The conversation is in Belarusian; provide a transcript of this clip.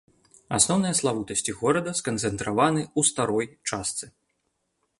Асноўныя славутасці горада сканцэнтраваны ў старой частцы.